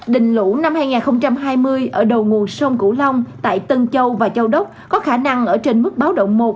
đỉnh lũ năm hai nghìn hai mươi ở đầu nguồn sông cửu long tại tân châu và châu đốc có khả năng ở trên mức báo động một